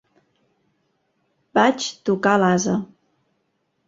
Vaig tocar l'ase.